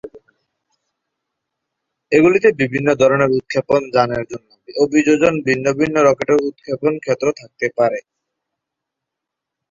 এগুলিতে বিভিন্ন ধরনের উৎক্ষেপণ যানের জন্য অভিযোজিত ভিন্ন ভিন্ন রকেট উৎক্ষেপণ ক্ষেত্র থাকতে পারে।